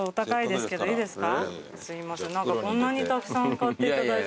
すいません何かこんなにたくさん買っていただいて。